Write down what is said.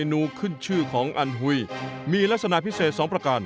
นูขึ้นชื่อของอันหุยมีลักษณะพิเศษ๒ประการ